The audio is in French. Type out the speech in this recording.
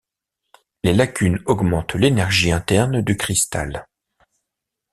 Les lacunes augmentent l'énergie interne du cristal.